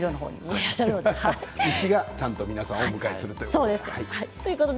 石が皆さんをお迎えするということで。